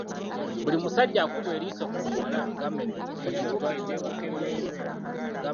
Buli musajja akuba eriiso ku muwala eyamyuka etenguka emmeeme.